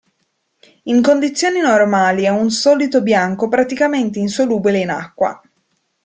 In condizioni normali è un solido bianco praticamente insolubile in acqua.